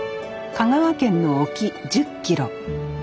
香川県の沖１０キロ。